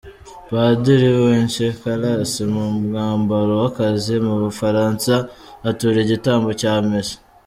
Padiri Wencekalas mu mwambaro w’akazi mu Bufaransa atura igitambo cya misa.